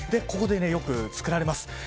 ここでよく作られます。